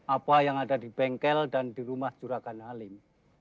apa yang ada di bengkel dan di rumah juragan halim